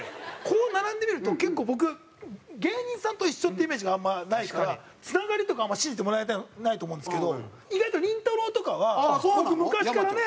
こう並んでみると結構僕芸人さんと一緒ってイメージがあんまないからつながりとか信じてもらえないと思うんですけど意外とりんたろー。とかは僕昔からね知り合いで。